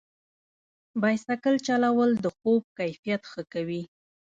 بایسکل چلول د خوب کیفیت ښه کوي.